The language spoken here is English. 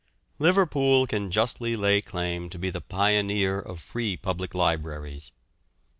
Liverpool can justly lay claim to be the pioneer of free public libraries.